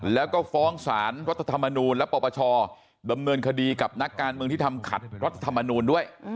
แล้วก็ฟ้องสารรัฐธรรมนูลและปปชดำเนินคดีกับนักการเมืองที่ทำขัดรัฐธรรมนูลด้วย